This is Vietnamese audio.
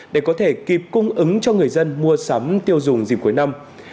để có thể kịp cung ứng cho người dân mua sắm tiêu dùng dịp cuối năm